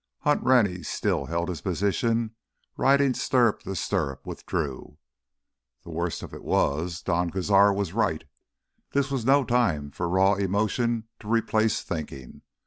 Hunt Rennie still held his position, riding stirrup to stirrup with Drew. The worst of it was, Don Cazar was right. This was no time for raw emotion to replace thinking.